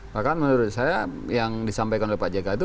bahkan menurut saya yang disampaikan oleh pak jk itu